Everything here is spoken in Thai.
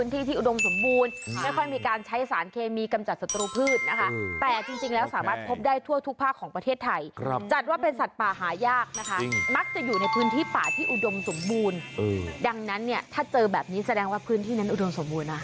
ดังนั้นเนี่ยถ้าเจอแบบนี้แสดงว่าพื้นที่นั้นอุดมสมบูรณะ